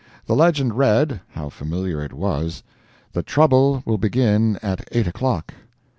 The legend read (how familiar it was!) "THE TROUBLE WILL BEGIN AT EIGHT o'clock!"'